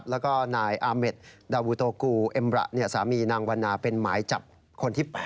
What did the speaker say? แล้วก็นายอาเมดดาวูโตกูเอ็มระสามีนางวันนาเป็นหมายจับคนที่๘